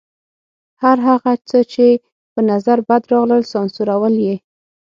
هر هغه څه چې په نظر بد راغلل سانسورول یې.